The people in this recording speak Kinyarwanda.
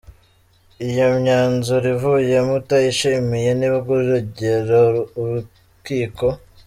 Iyo imyanzuro ivuyemo utayishimiye nibwo uregera urukiko".